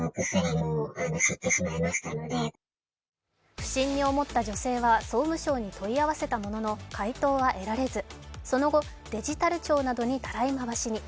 不審に思った女性は総務省に問い合わせたものの回答は得られずその後、デジタル庁などにたらい回しに。